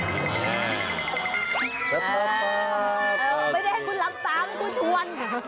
ไม่ได้ให้คุณลำตามกูชวน